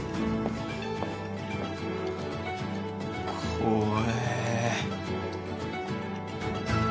怖え。